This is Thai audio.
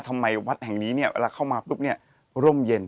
ทำไมวัดแห่งนี้เนี่ยเวลาเข้ามาปุ๊บเนี่ยร่มเย็น